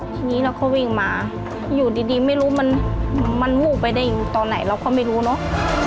ทีนี้เราก็วิ่งมาอยู่ดีไม่รู้มันวูบไปได้ตอนไหนเราก็ไม่รู้เนอะ